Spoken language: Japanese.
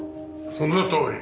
そのとおり。